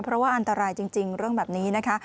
เพราะว่าอันตรายจริงเรื่องแบบนี้นะคะ